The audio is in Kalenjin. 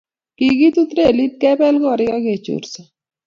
Kikitut relit, kebel korik ak kechorso